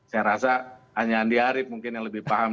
saya rasa hanya andi arief mungkin yang lebih paham